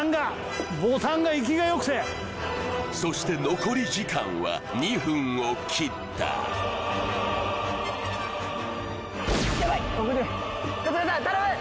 重いそして残り時間は２分を切ったヤバい春日さん頼む！